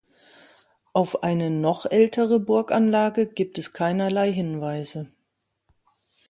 Auf eine noch ältere Burganlage gibt es keinerlei Hinweise.